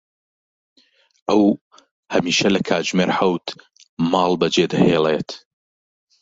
ئەو هەمیشە لە کاتژمێر حەوت ماڵ بەجێ دەهێڵێت.